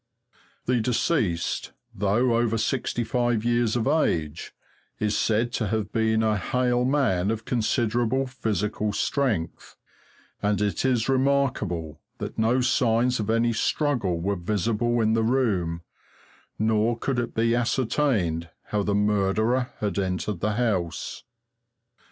The deceased, though over sixty five years of age, is said to have been a hale man of considerable physical strength, and it is remarkable that no signs of any struggle were visible in the room, nor could it be ascertained how the murderer had entered the house.